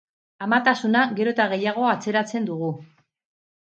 Amatasuna gero eta gehiago atzeratzen dugu.